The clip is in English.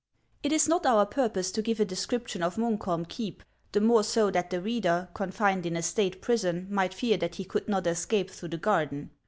It is not our purpose to give a description of Munk holm keep, the more so that the reader, confined in a State prison, might fear that he could not escape through the garden.